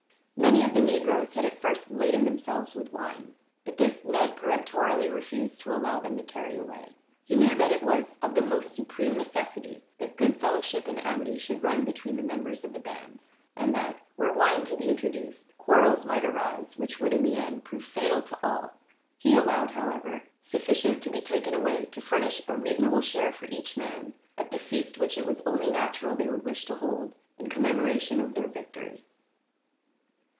Many of the negroes had at first laden themselves with wine, but this Ned peremptorily refused to allow them to carry away. He knew that it was of the most supreme necessity that good fellowship, and amity, should run between the members of the bands; and that, were wine to be introduced, quarrels might arise which would, in the end, prove fatal to all. He allowed, however, sufficient to be taken away to furnish a reasonable share for each man, at the feast which it was only natural they would wish to hold, in commemoration of their victory.